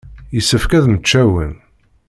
Yessefk ad mmečcawen.